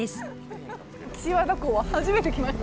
岸和田港は初めて来ました。